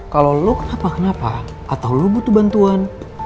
kalau lo kenapa kenapa kenapa atau lo butuh bantuan